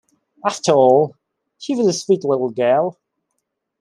After all, she was a sweet little girl.